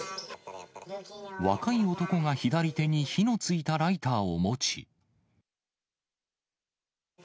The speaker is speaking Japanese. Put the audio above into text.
若い男が左手に火のついたライターを持ち。